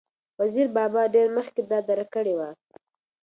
وزیر بابا ډېر مخکې دا درک کړې وه،